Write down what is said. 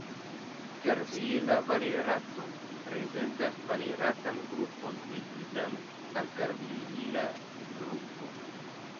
Karviila valerato prezentas valeratan grupon ligitan al karviila grupo.